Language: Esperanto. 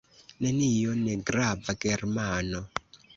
Nenio: negrava Germano.